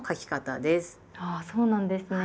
あそうなんですね。